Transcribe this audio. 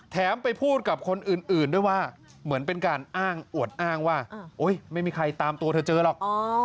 ไปพูดกับคนอื่นด้วยว่าเหมือนเป็นการอ้างอวดอ้างว่าไม่มีใครตามตัวเธอเจอหรอก